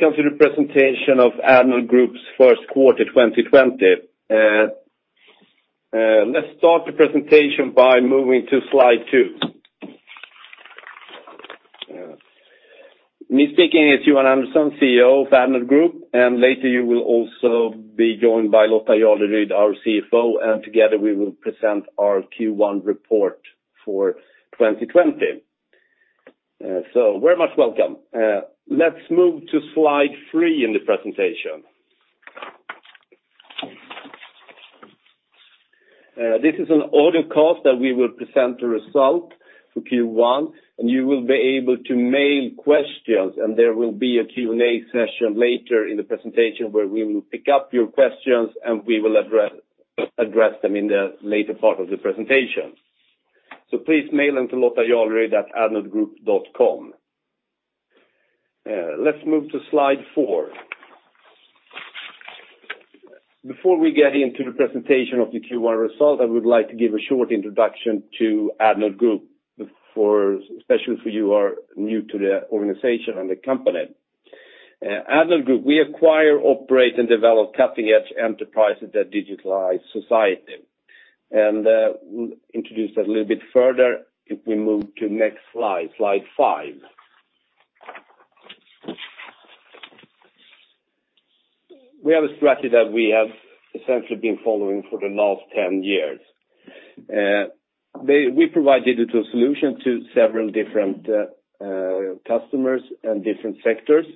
Welcome to the presentation of Addnode Group's first quarter 2020. Let's start the presentation by moving to slide two. Me speaking is Johan Andersson, CEO of Addnode Group, and later you will also be joined by Lotta Jarleryd, our CFO, and together we will present our Q1 report for 2020. Very much welcome. Let's move to slide three in the presentation. This is an audio cast that we will present the result for Q1, and you will be able to mail questions and there will be a Q&A session later in the presentation where we will pick up your questions and we will address them in the later part of the presentation. Please mail them to lottajarleryd.addnodegroup.com. Let's move to slide four. Before we get into the presentation of the Q1 result, I would like to give a short introduction to Addnode Group, especially for you who are new to the organization and the company. Addnode Group, we acquire, operate, and develop cutting-edge enterprises that digitalize society. We'll introduce that a little bit further if we move to next slide five. We have a strategy that we have essentially been following for the last 10 years. We provide digital solutions to several different customers and different sectors.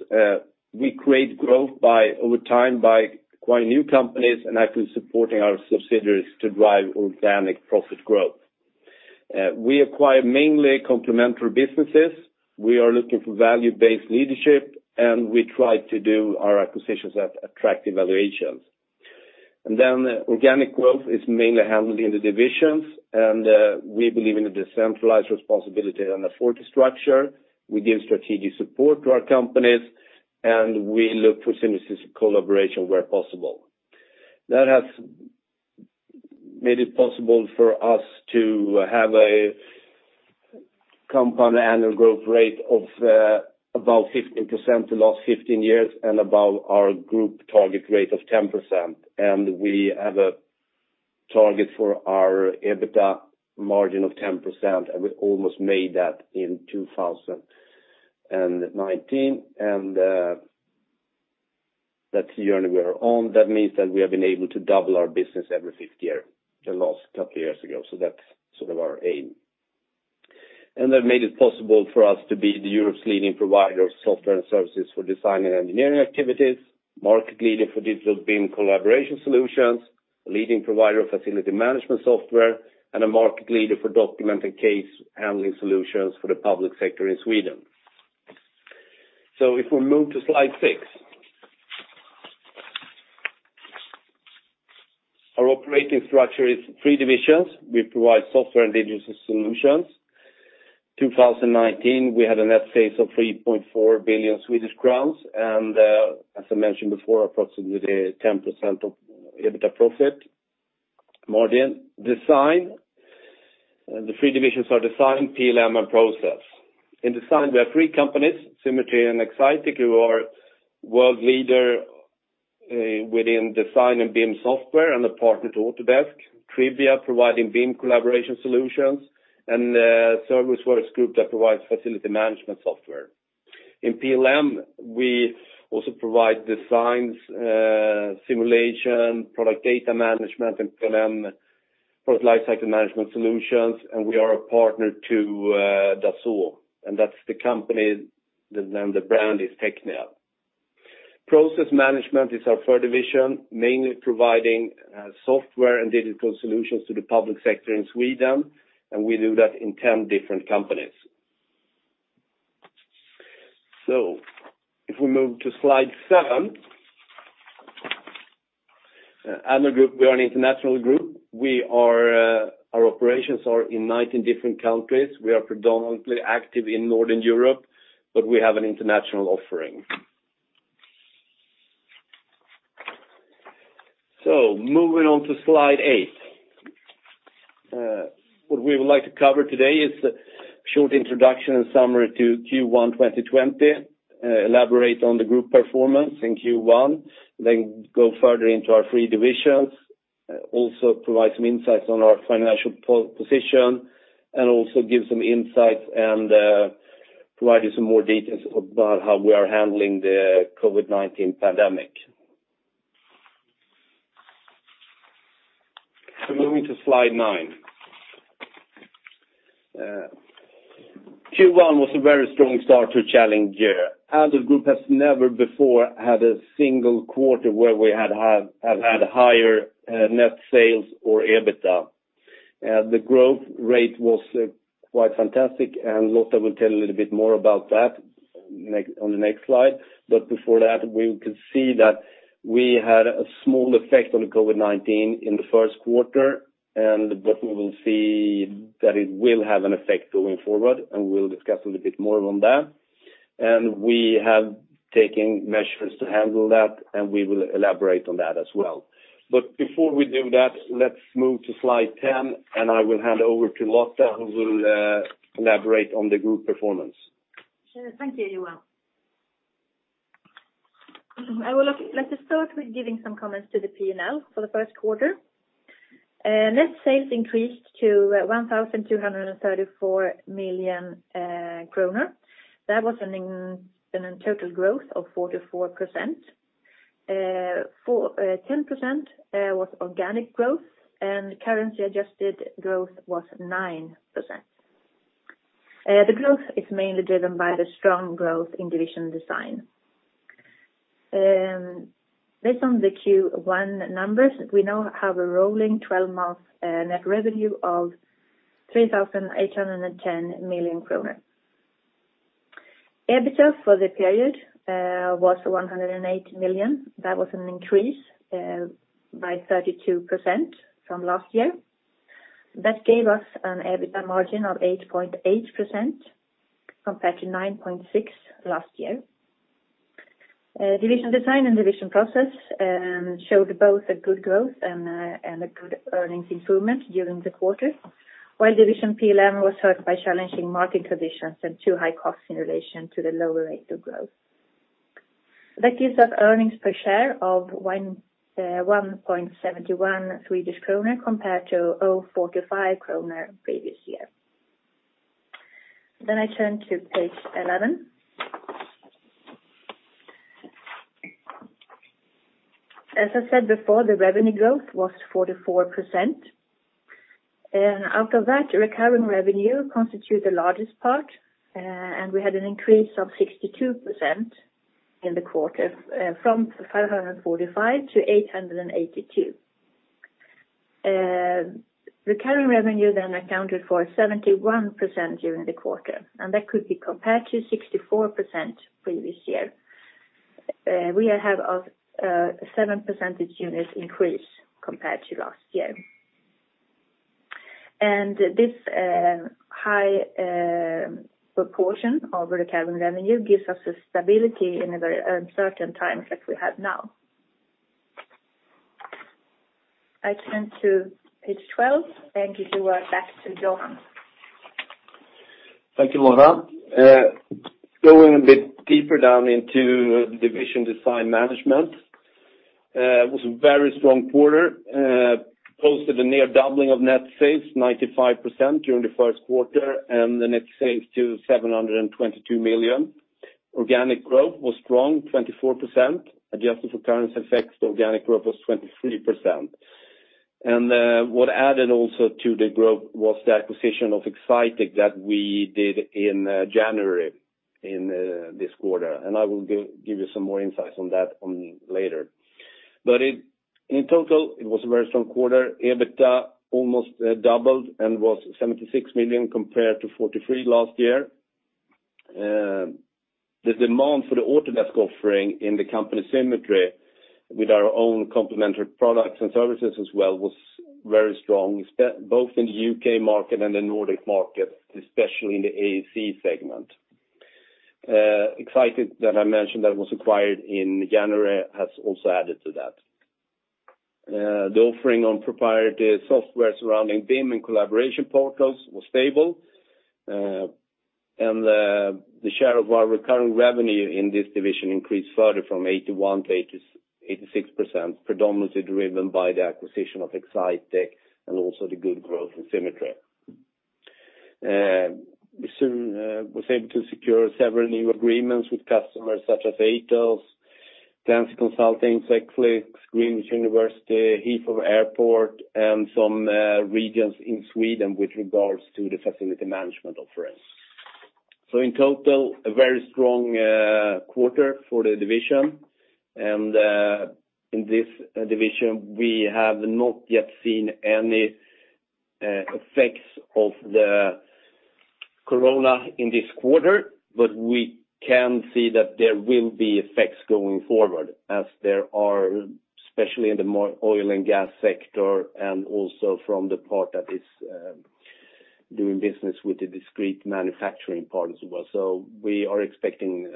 We create growth over time by acquiring new companies and actively supporting our subsidiaries to drive organic profit growth. We acquire mainly complementary businesses. We are looking for value-based leadership, and we try to do our acquisitions at attractive valuations. Then organic growth is mainly handled in the divisions, and we believe in a decentralized responsibility and a 4D structure. We give strategic support to our companies, and we look for synergistic collaboration where possible. That has made it possible for us to have a compound annual growth rate of about 15% the last 15 years and above our group target rate of 10%. We have a target for our EBITDA margin of 10%, and we almost made that in 2019. That means that we have been able to double our business every fifth year the last couple years ago. That's sort of our aim. That made it possible for us to be the Europe's leading provider of software and services for design and engineering activities, market leader for digital BIM collaboration solutions, a leading provider of facility management software, and a market leader for document and case handling solutions for the public sector in Sweden. If we move to slide six. Our operating structure is three divisions. We provide software and digital solutions. 2019, we had a net sales of 3.4 billion Swedish crowns and, as I mentioned before, approximately 10% of EBITDA profit margin. The three divisions are Design, PLM, and Process. In Design, we have three companies, Symetri and Excitech, who are world leader within design and BIM software and a partner to Autodesk. Tribia, providing BIM collaboration solutions, and Service Works Group that provides facility management software. In PLM, we also provide designs, simulation, product data management and PLM for lifecycle management solutions, and we are a partner to Dassault. That's the company, the brand is Technia. Process Management is our third division, mainly providing software and digital solutions to the public sector in Sweden, and we do that in 10 different companies. If we move to slide seven. Addnode Group, we are an international group. Our operations are in 19 different countries. We are predominantly active in Northern Europe, but we have an international offering. Moving on to slide eight. What we would like to cover today is a short introduction and summary to Q1 2020, elaborate on the group performance in Q1, then go further into our three divisions, also provide some insights on our financial position and also give some insights and provide you some more details about how we are handling the COVID-19 pandemic. Moving to slide nine. Q1 was a very strong start to a challenging year. Addnode Group has never before had a single quarter where we have had higher net sales or EBITDA. The growth rate was quite fantastic, and Lotta will tell a little bit more about that on the next slide. Before that, we can see that we had a small effect on COVID-19 in the first quarter, but we will see that it will have an effect going forward and we'll discuss a little bit more on that. We have taken measures to handle that, and we will elaborate on that as well. Before we do that, let's move to slide 10 and I will hand over to Lotta who will elaborate on the group performance. Sure. Thank you, Johan. I would like to start with giving some comments to the P&L for the first quarter. Net sales increased to 1,234 million kronor. That was a total growth of 44%. 10% was organic growth, currency-adjusted growth was 9%. The growth is mainly driven by the strong growth in Design Management. Based on the Q1 numbers, we now have a rolling 12-month net revenue of 3,810 million kronor. EBITDA for the period was 108 million. That was an increase by 32% from last year. That gave us an EBITDA margin of 8.8% compared to 9.6% last year. Design Management and Process Management showed both a good growth and a good earnings improvement during the quarter, while Product Lifecycle Management was hurt by challenging market conditions and too high costs in relation to the lower rate of growth. That gives us earnings per share of 1.71 Swedish kronor compared to 0.45 kronor previous year. I turn to page 11. As I said before, the revenue growth was 44%, and out of that, recurring revenue constitute the largest part, and we had an increase of 62% in the quarter from 545 to 882. Recurring revenue accounted for 71% during the quarter, and that could be compared to 64% previous year. We have a seven percentage units increase compared to last year. This high proportion of recurring revenue gives us a stability in a very uncertain time that we have now. I turn to page 12 and give the word back to Johan. Thank you, Lotta. Going a bit deeper down into Design Management. It was a very strong quarter, posted a near doubling of net sales, 95% during the first quarter, and the net sales to 722 million. Organic growth was strong, 24%. Adjusted for currency effects, organic growth was 23%. What added also to the growth was the acquisition of Excitech that we did in January in this quarter. I will give you some more insights on that later. In total, it was a very strong quarter. EBITDA almost doubled and was 76 million compared to 43 million last year. The demand for the Autodesk offering in the company Symetri with our own complementary products and services as well was very strong, both in the U.K. market and the Nordic market, especially in the AEC segment. Exsitec, that I mentioned, that was acquired in January, has also added to that. The offering on proprietary software surrounding BIM and collaboration portals was stable, and the share of our recurring revenue in this division increased further from 81% to 86%, predominantly driven by the acquisition of Exsitec and also the good growth in Symetri. We soon was able to secure several new agreements with customers such as Atos, Trans Consulting, Seclix, University of Greenwich, Heathrow Airport, and some regions in Sweden with regards to the facility management offerings. In total, a very strong quarter for the division, and in this division, we have not yet seen any effects of the Corona in this quarter, but we can see that there will be effects going forward as there are, especially in the oil and gas sector and also from the part that is doing business with the discrete manufacturing part as well. We are expecting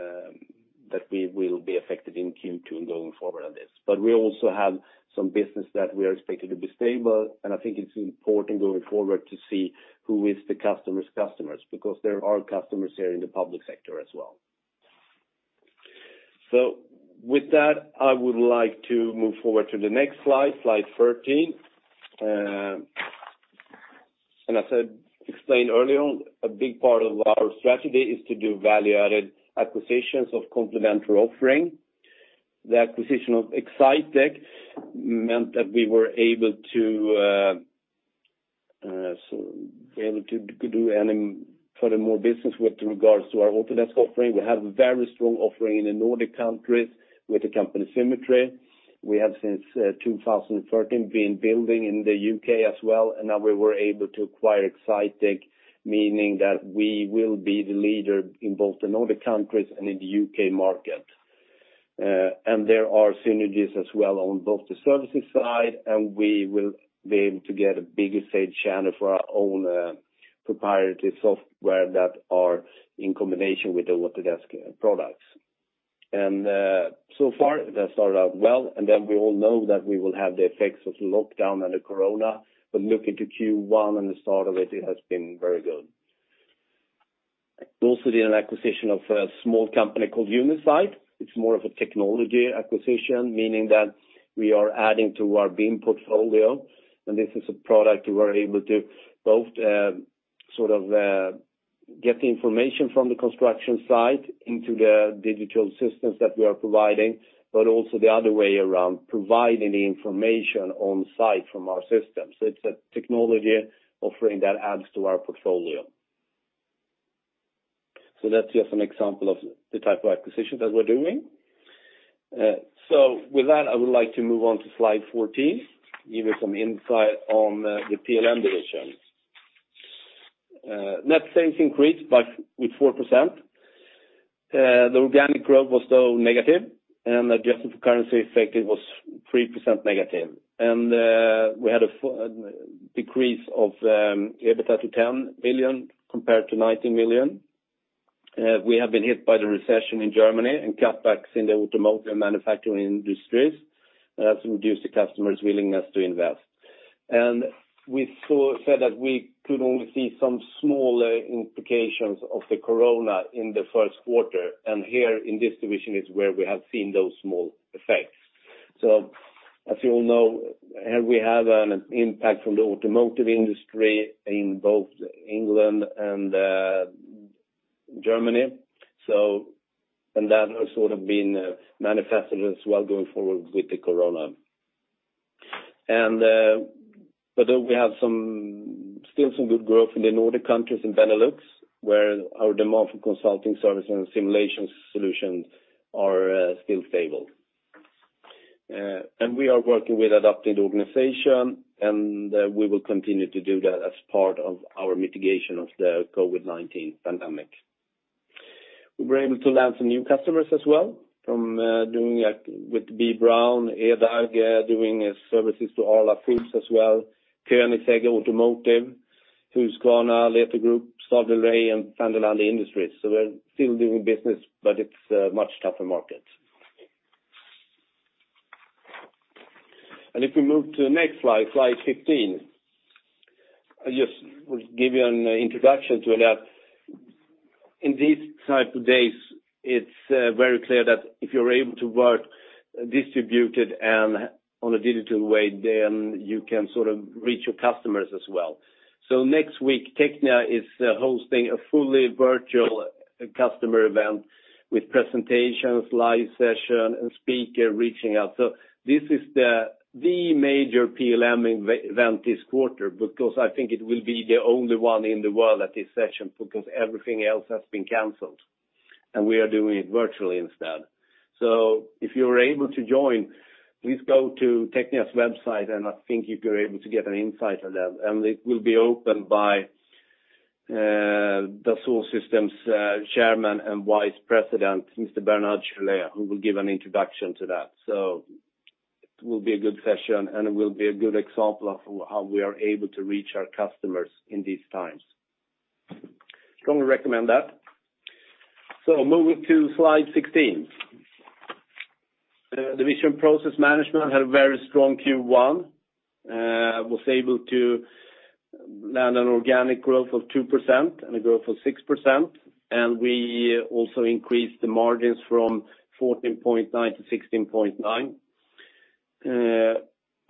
that we will be affected in Q2 going forward on this. We also have some business that we are expecting to be stable, and I think it's important going forward to see who is the customer's customers, because there are customers here in the public sector as well. With that, I would like to move forward to the next slide 13. I explained earlier on, a big part of our strategy is to do value-added acquisitions of complementary offering. The acquisition of Excitech meant that we were able to do any furthermore business with regards to our Autodesk offering. We have a very strong offering in the Nordic countries with the company Symetri. We have since 2013 been building in the U.K. as well, and now we were able to acquire Excitech, meaning that we will be the leader in both the Nordic countries and in the U.K. market. There are synergies as well on both the services side, and we will be able to get a bigger sales channel for our own proprietary software that are in combination with the Autodesk products. So far that started out well, and then we all know that we will have the effects of lockdown and the COVID-19, but looking to Q1 and the start of it has been very good. We also did an acquisition of a small company called UNIsite. It's more of a technology acquisition, meaning that we are adding to our BIM portfolio, and this is a product we were able to both get the information from the construction site into the digital systems that we are providing, but also the other way around, providing the information on-site from our system. It's a technology offering that adds to our portfolio. That's just an example of the type of acquisitions that we're doing. With that, I would like to move on to slide 14, give you some insight on the PLM division. Net sales increased with 4%. The organic growth was negative, and adjusted for currency effect, it was 3% negative. We had a decrease of EBITDA to 10 million compared to 19 million. We have been hit by the recession in Germany and cutbacks in the automotive manufacturing industries that has reduced the customers' willingness to invest. We said that we could only see some small implications of the corona in the first quarter, and here in this division is where we have seen those small effects. As you all know, here we have an impact from the automotive industry in both England and Germany. That has sort of been manifested as well going forward with the corona. We have still some good growth in the Nordic countries and Benelux, where our demand for consulting services and simulation solutions are still stable. We are working with adapting the organization, and we will continue to do that as part of our mitigation of the COVID-19 pandemic. We were able to land some new customers as well, from doing with B. Braun, EDAG, doing services to Arla Foods as well, Koenigsegg Automotive, Husqvarna, Lethe Group, Staderay, and Vanderlande Industries. We're still doing business, but it's a much tougher market. If we move to the next slide 15, I just will give you an introduction to that. In these type of days, it's very clear that if you're able to work distributed and on a digital way, then you can sort of reach your customers as well. Next week, Technia is hosting a fully virtual customer event with presentations, live session, and speaker reaching out. This is the major PLM event this quarter because I think it will be the only one in the world at this session because everything else has been canceled, and we are doing it virtually instead. If you are able to join, please go to Technia's website, and I think you're able to get an insight of that. It will be opened by the Dassault Systèmes Chairman and Vice President, Mr. Bernard Charlès, who will give an introduction to that. It will be a good session, and it will be a good example of how we are able to reach our customers in these times. Strongly recommend that. Moving to slide 16. The division Process Management had a very strong Q1, was able to land an organic growth of 2% and a growth of 6%, and we also increased the margins from 14.9% to 16.9%.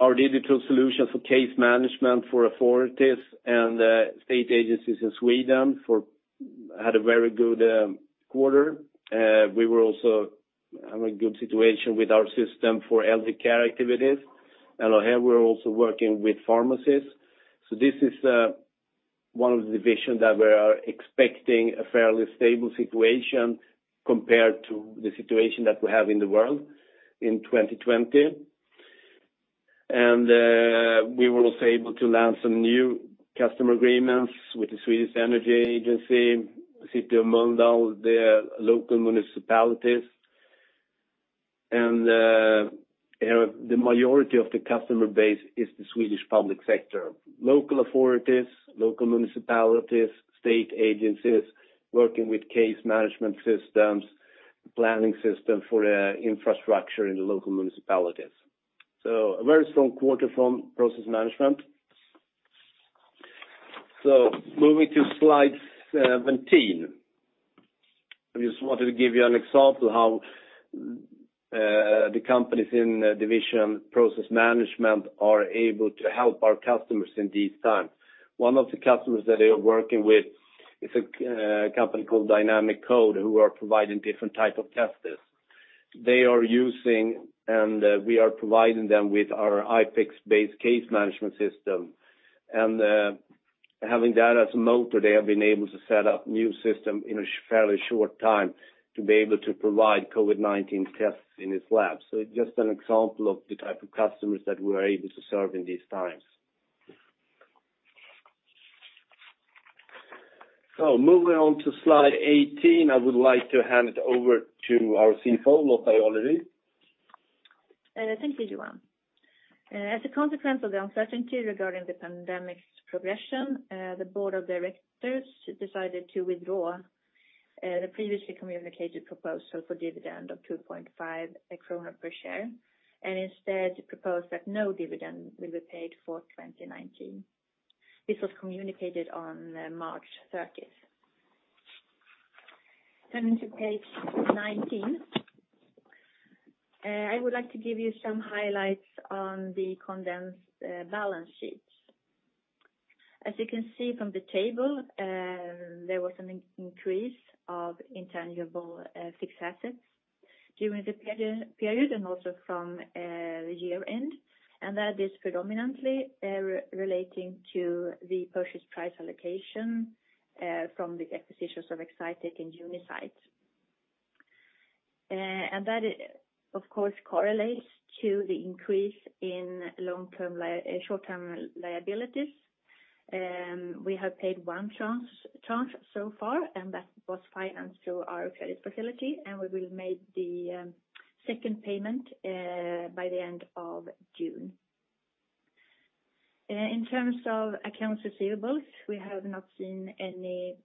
Our digital solution for case management for authorities and state agencies in Sweden had a very good quarter. We were also having a good situation with our system for elder care activities, and here we're also working with pharmacists. This is one of the divisions that we are expecting a fairly stable situation compared to the situation that we have in the world in 2020. We were also able to land some new customer agreements with the Swedish Energy Agency, City of Malmö, the local municipalities, and the majority of the customer base is the Swedish public sector, local authorities, local municipalities, state agencies, working with case management systems, planning system for infrastructure in the local municipalities. A very strong quarter from Process Management. Moving to slide 17. I just wanted to give you an example how the companies in division Process Management are able to help our customers in these times. One of the customers that they are working with is a company called Dynamic Code who are providing different type of tests. They are using, we are providing them with our iipax-based case management system. Having that as a motor, they have been able to set up new system in a fairly short time to be able to provide COVID-19 tests in its lab. It's just an example of the type of customers that we're able to serve in these times. Moving on to slide 18, I would like to hand it over to our CFO, Lotta Jarleryd. Thank you, Johan. As a consequence of the uncertainty regarding the pandemic's progression, the board of directors decided to withdraw the previously communicated proposal for dividend of 2.5 kronor per share. Instead propose that no dividend will be paid for 2019. This was communicated on March 30th. Turning to page 19. I would like to give you some highlights on the condensed balance sheet. As you can see from the table, there was an increase of intangible fixed assets during the period and also from the year-end. That is predominantly relating to the purchase price allocation from the acquisitions of Excitech and UNIsite. That, of course, correlates to the increase in short-term liabilities. We have paid one tranche so far. That was financed through our credit facility. We will make the second payment by the end of June. In terms of accounts receivables, we have not seen any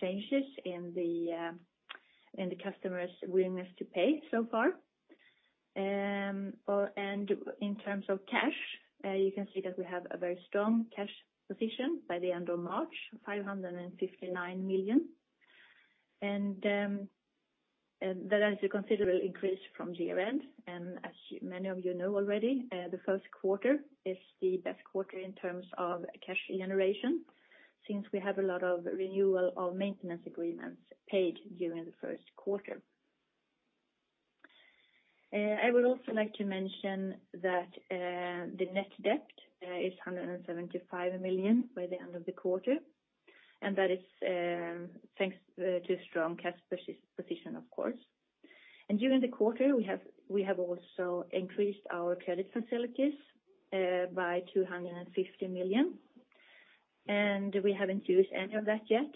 changes in the customer's willingness to pay so far. In terms of cash, you can see that we have a very strong cash position by the end of March, 559 million. That is a considerable increase from year-end. As many of you know already, the first quarter is the best quarter in terms of cash generation, since we have a lot of renewal of maintenance agreements paid during the first quarter. I would also like to mention that the net debt is 175 million by the end of the quarter, and that is thanks to strong cash position, of course. During the quarter, we have also increased our credit facilities by 250 million. We haven't used any of that yet,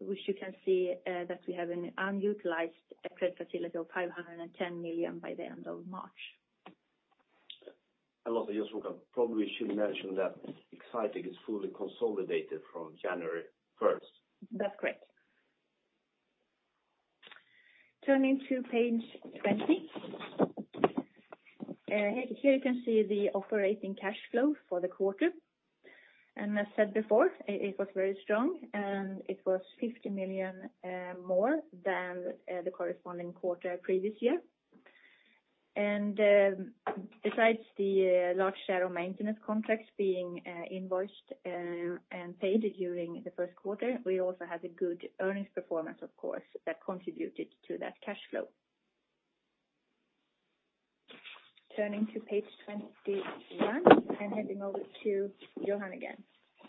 which you can see that we have an unutilized credit facility of 510 million by the end of March. Also, just we probably should mention that Excitech is fully consolidated from January 1st. That's correct. Turning to page 20. Here you can see the operating cash flow for the quarter, as said before, it was very strong, it was 50 million more than the corresponding quarter previous year. Besides the large share of maintenance contracts being invoiced and paid during the first quarter, we also had a good earnings performance, of course, that contributed to that cash flow. Turning to page 21 and handing over to Johan again.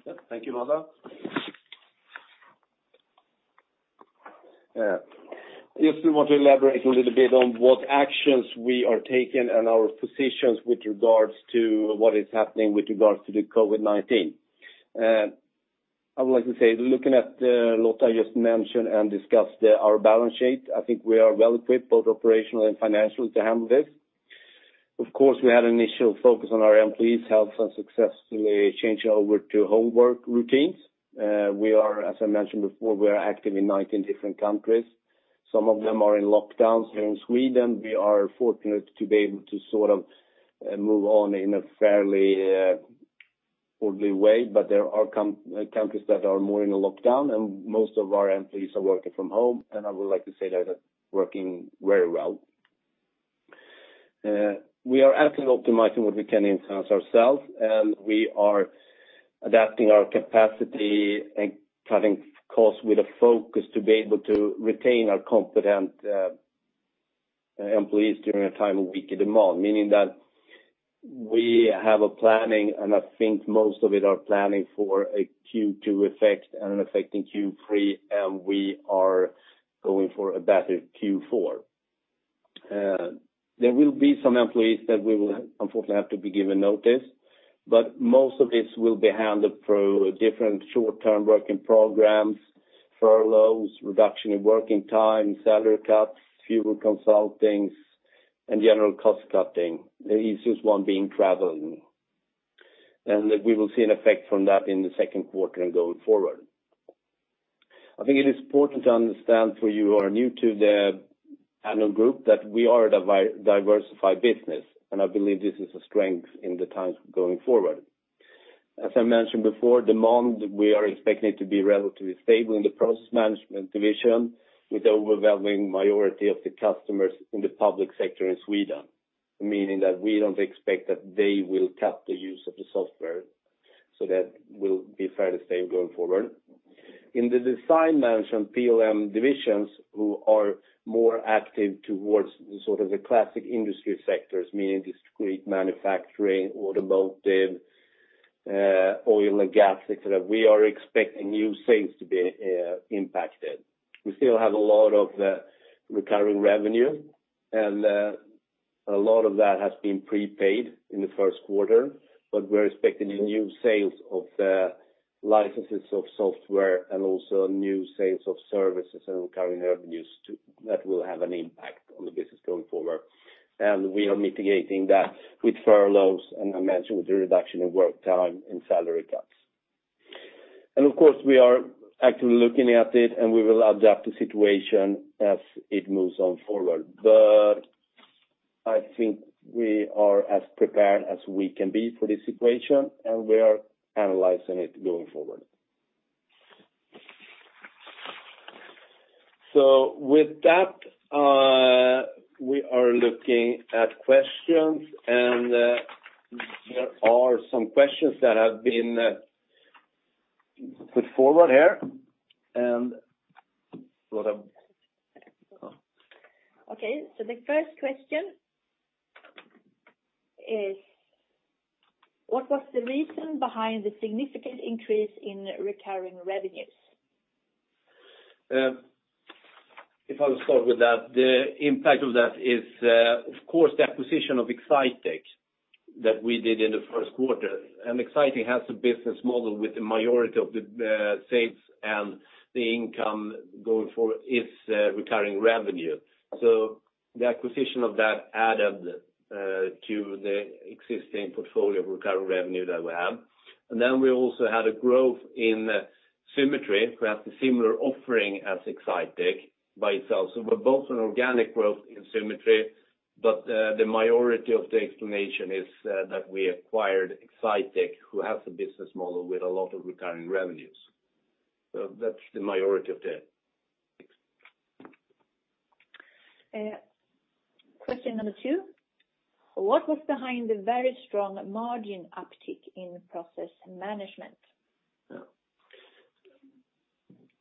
Yep. Thank you, Lotta. I just want to elaborate a little bit on what actions we are taking and our positions with regards to what is happening with regards to the COVID-19. I would like to say, looking at Lotta just mentioned and discussed our balance sheet, I think we are well-equipped, both operational and financially, to handle this. Of course, we had an initial focus on our employees' health and successfully changed over to homework routines. We are, as I mentioned before, we are active in 19 different countries. Some of them are in lockdowns. Here in Sweden, we are fortunate to be able to sort of move on in a fairly orderly way, but there are countries that are more in a lockdown, and most of our employees are working from home, and I would like to say that is working very well. We are actively optimizing what we can in-house ourselves, and we are adapting our capacity and cutting costs with a focus to be able to retain our competent employees during a time of weaker demand, meaning that we have a planning, and I think most of it are planning for a Q2 effect and affecting Q3, and we are going for a better Q4. There will be some employees that we will unfortunately have to be given notice, but most of this will be handled through different short-term working programs, furloughs, reduction in working time, salary cuts, fewer consultings, and general cost cutting. The easiest one being traveling. We will see an effect from that in the second quarter and going forward. I think it is important to understand for you who are new to the Addnode Group, that we are a diversified business, and I believe this is a strength in the times going forward. As I mentioned before, demand, we are expecting it to be relatively stable in the Process Management division, with the overwhelming majority of the customers in the public sector in Sweden, meaning that we don't expect that they will cut the use of the software, so that will be fairly stable going forward. In the Design Management PLM divisions who are more active towards sort of the classic industry sectors, meaning discrete manufacturing, automotive, oil and gas, et cetera, we are expecting new sales to be impacted. We still have a lot of recurring revenue, and a lot of that has been prepaid in the first quarter, but we're expecting the new sales of the licenses of software and also new sales of services and recurring revenues too, that will have an impact on the business going forward. We are mitigating that with furloughs, and I mentioned with the reduction of work time and salary cuts. Of course, we are actively looking at it, and we will adapt to situation as it moves on forward. I think we are as prepared as we can be for this situation, and we are analyzing it going forward. With that, we are looking at questions, and there are some questions that have been put forward here. Lotta. The first question is: what was the reason behind the significant increase in recurring revenues? If I will start with that, the impact of that is, of course, the acquisition of Exsitec that we did in the first quarter. Exsitec has a business model with the majority of the sales and the income going for its recurring revenue. The acquisition of that added to the existing portfolio of recurring revenue that we have. We also had a growth in Symetri, who has a similar offering as Exsitec by itself. We're both an organic growth in Symetri, but the majority of the explanation is that we acquired Exsitec, who has a business model with a lot of recurring revenues. Question number two, what was behind the very strong margin uptick in Process Management?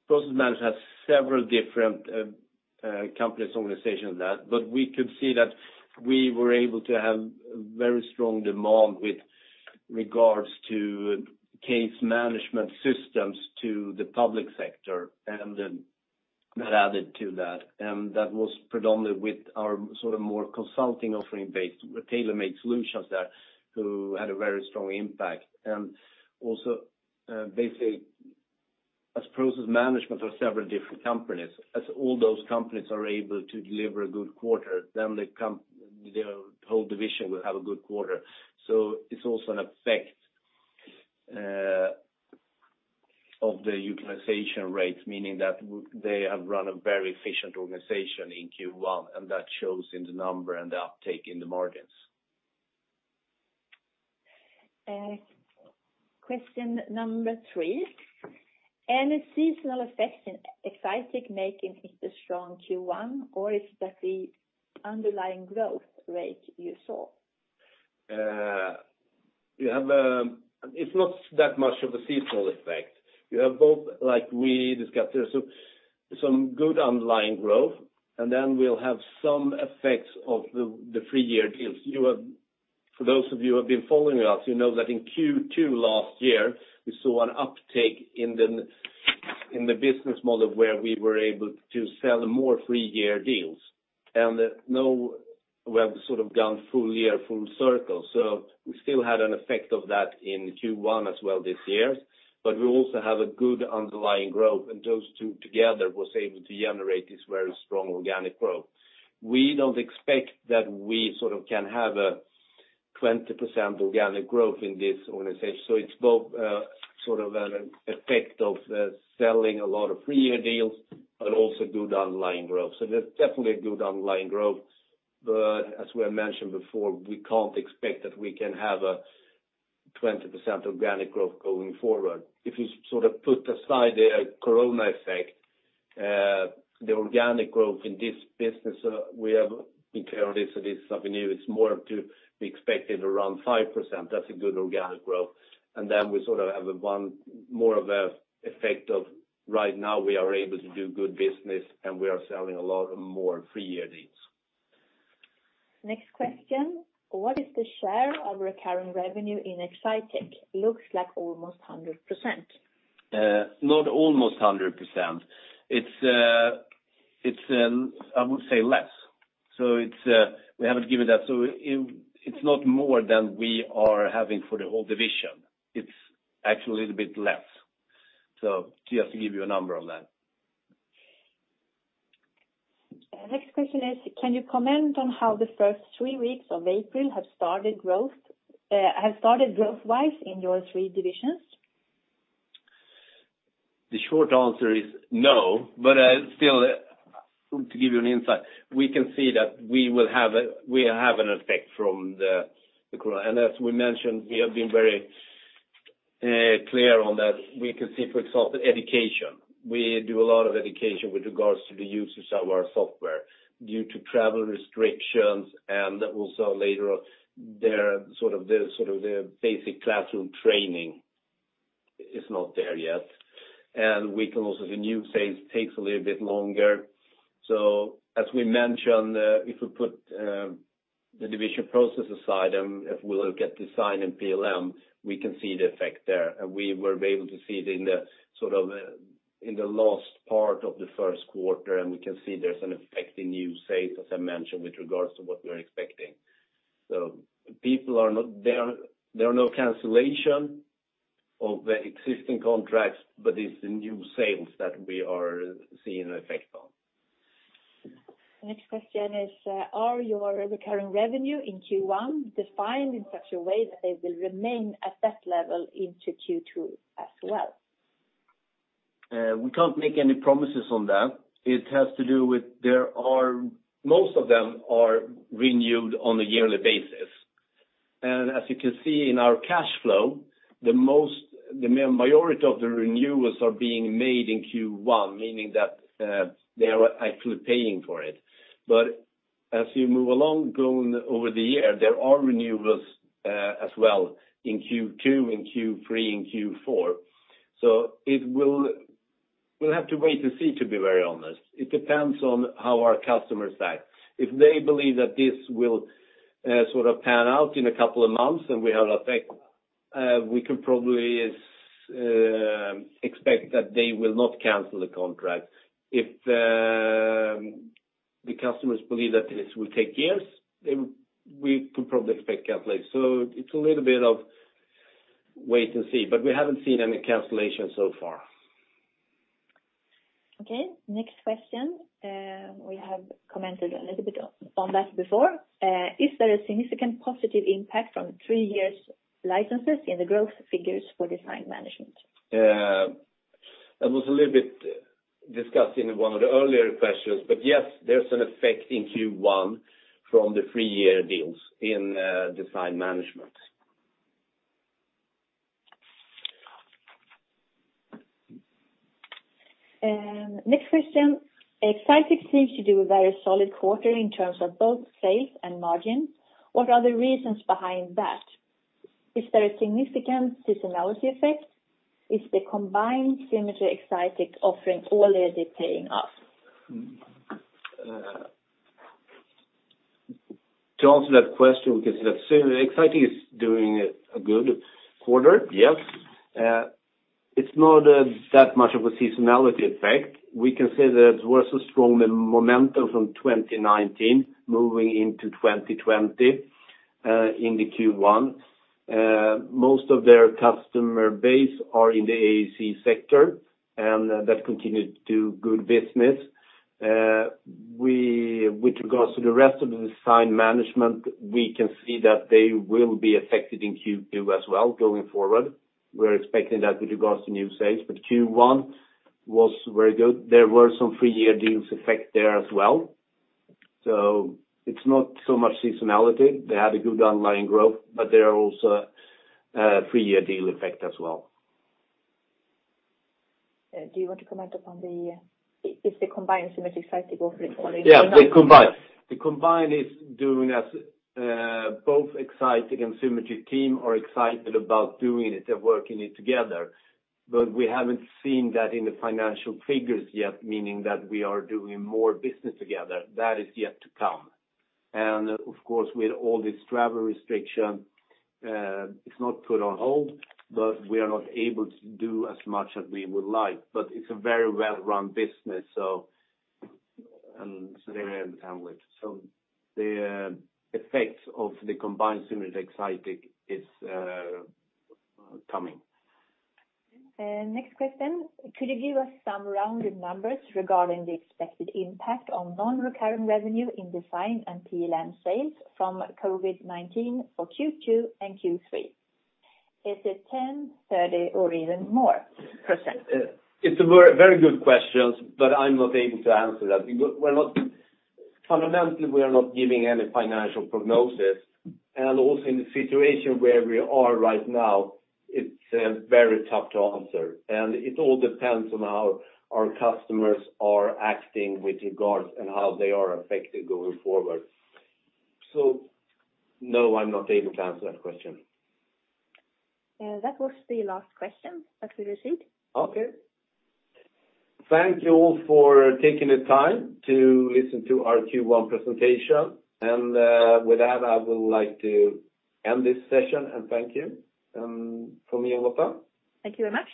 Process Management has several different companies, organization. We could see that we were able to have very strong demand with regards to case management systems to the public sector, and that added to that. That was predominantly with our more consulting offering-based, tailor-made solutions there, who had a very strong impact. Also, basically, as Process Management are several different companies, as all those companies are able to deliver a good quarter, the whole division will have a good quarter. It's also an effect of the utilization rates, meaning that they have run a very efficient organization in Q1, and that shows in the number and the uptake in the margins. Question number three, any seasonal effects in Excitech making it a strong Q1, or is that the underlying growth rate you saw? It's not that much of a seasonal effect. You have both, like we discussed there. Some good underlying growth, and then we'll have some effects of the three-year deals. For those of you who have been following us, you know that in Q2 last year, we saw an uptake in the business model where we were able to sell more three-year deals. Now we have sort of gone full year, full circle. We still had an effect of that in Q1 as well this year, but we also have a good underlying growth, and those two together was able to generate this very strong organic growth. We don't expect that we can have a 20% organic growth in this organization. It's both an effect of selling a lot of three-year deals, but also good underlying growth. There's definitely a good underlying growth, but as we have mentioned before, we can't expect that we can have a 20% organic growth going forward. If you put aside the COVID-19 effect, the organic growth in this business, we have been clear on this, that this avenue, it's more up to be expected around 5%. That's a good organic growth. We sort of have a more of a effect of right now we are able to do good business, and we are selling a lot more three-year deals. Next question, what is the share of recurring revenue in Excitech? Looks like almost 100%. Not almost 100%. It's I would say less. We haven't given that. It's not more than we are having for the whole division. It's actually a little bit less. Just to give you a number on that. Next question is, can you comment on how the first three weeks of April have started growth-wise in your three divisions? The short answer is no, still, to give you an insight, we can see that we have an effect from the corona. As we mentioned, we have been very clear on that. We can see, for example, education. We do a lot of education with regards to the users of our software due to travel restrictions, and also later on, their basic classroom training is not there yet. We can also, the new sales takes a little bit longer. As we mentioned, if we put the division Process aside, and if we look at Design and PLM, we can see the effect there. We were able to see it in the last part of the first quarter, and we can see there's an effect in new sales, as I mentioned, with regards to what we are expecting. There are no cancellation of the existing contracts, but it's the new sales that we are seeing an effect on. Next question is, are your recurring revenue in Q1 defined in such a way that they will remain at that level into Q2 as well? We can't make any promises on that. It has to do with most of them are renewed on a yearly basis. As you can see in our cash flow, the majority of the renewals are being made in Q1, meaning that they are actually paying for it. As you move along, going over the year, there are renewals as well in Q2, in Q3, in Q4. We'll have to wait and see, to be very honest. It depends on how our customers act. If they believe that this will pan out in a couple of months and we have an effect, we can probably expect that they will not cancel the contract. If the customers believe that this will take years, we could probably expect cancellations. It's a little bit of wait and see, but we haven't seen any cancellations so far. Okay, next question. We have commented a little bit on that before. Is there a significant positive impact from three years licenses in the growth figures for Design Management? That was a little bit discussed in one of the earlier questions. Yes, there's an effect in Q1 from the three-year deals in Design Management. Next question. Excitech seems to do a very solid quarter in terms of both sales and margin. What are the reasons behind that? Is there a significant seasonality effect? Is the combined Symetri Excitech offering already paying off? To answer that question, we can say that Excitech is doing a good quarter, yes. It's not that much of a seasonality effect. We can say that it was a strong momentum from 2019 moving into 2020, in the Q1. Most of their customer base are in the AEC sector, and that continued to good business. With regards to the rest of the Design Management, we can see that they will be affected in Q2 as well going forward. We're expecting that with regards to new sales, but Q1 was very good. There were some three-year deals effect there as well. It's not so much seasonality. They had a good underlying growth, but there are also three-year deal effect as well. Is the combined Symetri Excitech offering already paying off? Yeah, the combined. Both Excitech and Symetri team are excited about doing it and working it together. We haven't seen that in the financial figures yet, meaning that we are doing more business together. That is yet to come. Of course, with all this travel restriction, it's not put on hold, but we are not able to do as much as we would like. It's a very well-run business, so they can handle it. The effects of the combined Symetri Excitech is coming. Next question. Could you give us some rounded numbers regarding the expected impact on non-recurring revenue in design and PLM sales from COVID-19 for Q2 and Q3? Is it 10%, 30%, or even more %? It's a very good question. I'm not able to answer that. Fundamentally, we are not giving any financial prognosis. Also in the situation where we are right now, it's very tough to answer. It all depends on how our customers are acting with regards and how they are affected going forward. No, I'm not able to answer that question. That was the last question that we received. Okay. Thank you all for taking the time to listen to our Q1 presentation. With that, I would like to end this session and thank you. From me and Lotta. Thank you very much.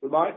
Goodbye.